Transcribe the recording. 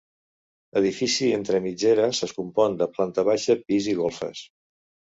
Edifici entre mitgeres es compon de planta baixa, pis i golfes.